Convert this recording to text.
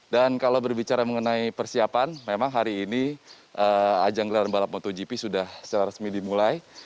dan kalau berbicara mengenai persiapan memang hari ini ajang gelaran balap motogp sudah secara resmi dimulai